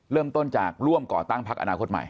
เริ่มต้นจากร่วมก่อตั้งพักอนาคตใหม่